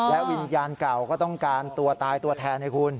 วิญญาณเก่าก็ต้องการตัวตายตัวแทนให้คุณ